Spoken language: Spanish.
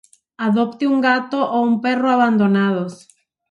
Adopte un gato o un perro abandonados